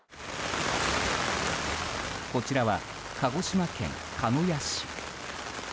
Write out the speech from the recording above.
こちらは、鹿児島県鹿屋市。